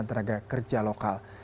dan tenaga kerja lokal